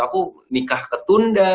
aku nikah ketunda